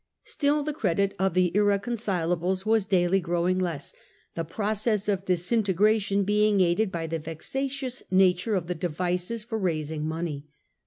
Still the credit of the irre concilables was daily growing less, the process of dis integration being aided by the vexatious nature of the devices for raising money.